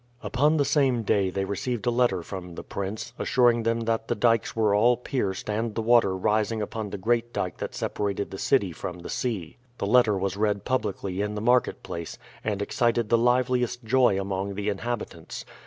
Upon the same day they received a letter from the prince, assuring them that the dykes were all pierced and the water rising upon the great dyke that separated the city from the sea. The letter was read publicly in the marketplace, and excited the liveliest joy among the inhabitants.